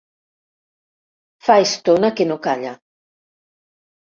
Fa estona que no calla.